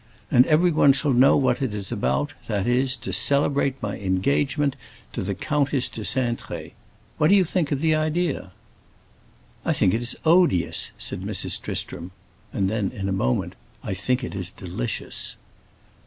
And everyone shall know what it is about, that is, to celebrate my engagement to the Countess de Cintré. What do you think of the idea?" "I think it is odious!" said Mrs. Tristram. And then in a moment: "I think it is delicious!"